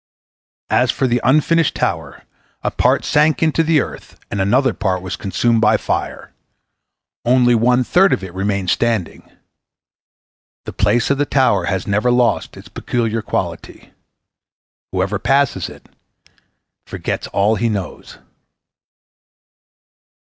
As for the unfinished tower, a part sank into the earth, and another part was consumed by fire; only one third of it remained standing. The place of the tower has never lost its peculiar quality. Whoever passes it forgets all he knows.